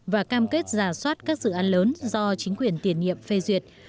và cam kết giả soát các dự án lớn do chính quyền tiền nhiệm phê duyệt